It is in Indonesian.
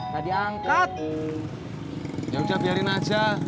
tadi angkat ya udah biarin aja